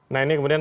nah ini kemudian